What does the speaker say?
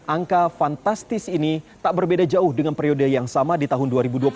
angka fantastis ini tak berbeda jauh dengan periode yang sama di tahun dua ribu dua puluh